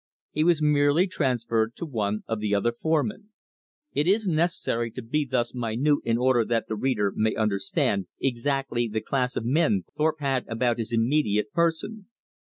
He was merely transferred to one of the other foremen. It is necessary to be thus minute in order that the reader may understand exactly the class of men Thorpe had about his immediate person.